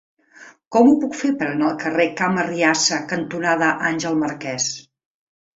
Com ho puc fer per anar al carrer Camp Arriassa cantonada Àngel Marquès?